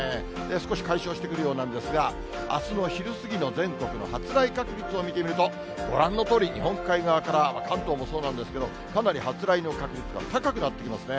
少し解消してくるようなんですが、あすの昼過ぎの全国の発雷確率を見てみると、ご覧のとおり、日本海側から関東もそうなんですけど、かなり発雷の確率が高くなってきますね。